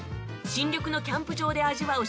新緑のキャンプ場で味わう